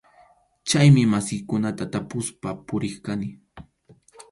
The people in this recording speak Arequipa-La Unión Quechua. Chaymi masiykunata tapuspa puriq kani.